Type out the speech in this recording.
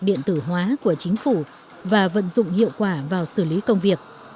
điện tử hóa của chính phủ và vận dụng hiệu quả vào xử lý công việc